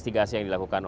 sampai hari tuhan